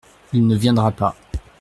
Il ne viendra pas.